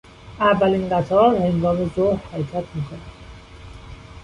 اولین قطار هنگام ظهر حرکت میکند.